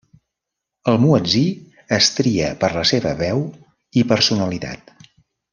El muetzí es tria per la seva veu i personalitat.